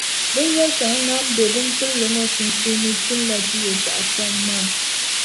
Binyɛrʼ shɛŋa ŋan be binkpulli ŋɔ sunsuuni kpinila ti yɛltɔɣikpani maa.